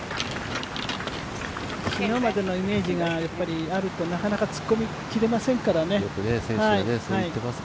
今までのイメージがあると、なかなか突っ込みきれませんからね。